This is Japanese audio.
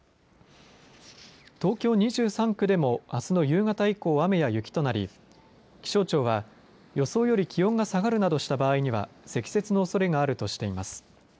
東京２３区でもあすの夕方以降、雨や雪となり気象庁は予想より気温が下がるなどした場合には積雪のおそれがあるとしています。